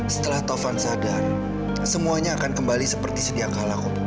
setelah taufan sadar semuanya akan kembali seperti sediakala bu